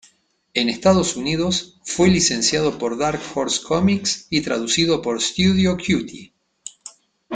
En Estados Unidos fue licenciado por Dark Horse Comics y traducido por Studio Cutie.